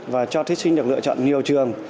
và cho thí sinh được lựa chọn nhiều trường